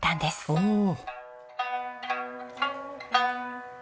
おお！